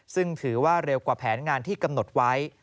ซึ่งถือว่าเร็วกว่าแผนงานที่กำหนดไว้